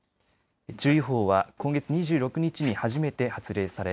注意報は今月２６日に初めて発令され